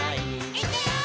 「いくよー！」